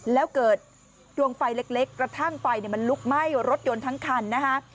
แล้วเกิดดวงไฟเล็กกระทั่งไฟมันลุกไหม้รถยนต์ทั้งคันนะคะ